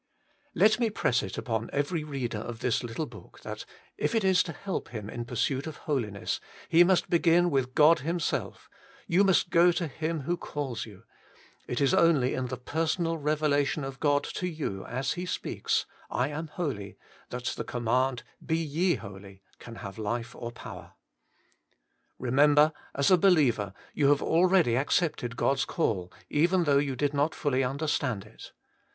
7. Let me press it upon every reader of this little book, that if it is to help him in the pursuit of Holiness, he must begin with God Himself. You must go to Him who calls you. It is only In the personal revelation of God to you, as He speaks, I am holy, that the command, Be ye holy, can have life or power. 2. Remember, as a believer, you have already accepted God's call, even though you did not fully understand it.